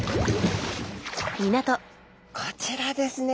こちらですね